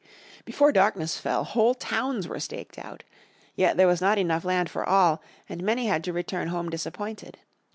Before darkness fell whole towns were staked out. Yet there was not enough land for all and many had to return home disappointed.